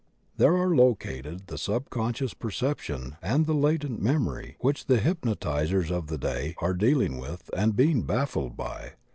There are located the subconscious perception and the latent memory, which the hypnotizers of the day are dealing with and being baffled by.